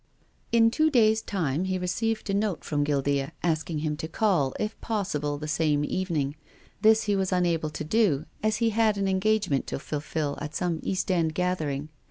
In two days* time he received a note from Guildea asking him to call, if possible, the same evening. This he was unable to do as he had an engagement to fulfil at some East End gathering.